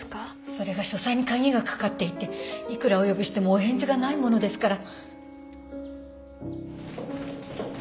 それが書斎に鍵が掛かっていていくらお呼びしてもお返事がないものですから。